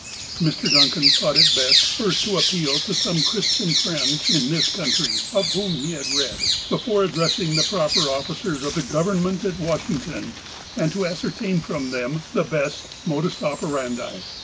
Mr. Duncan thought it best first to appeal to some Christian friends in this country, of whom he had read, before addressing the proper officers of the Government at Washington, and to ascertain from them the best modus operandi.